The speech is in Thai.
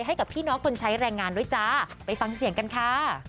ให้กับพี่น้องคนใช้แรงงานด้วยจ้าไปฟังเสียงกันค่ะ